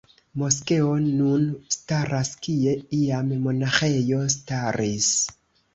Moskeo nun staras kie iam monaĥejo staris.